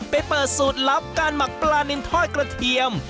เปิดสูตรลับการหมักปลานินทอดกระเทียม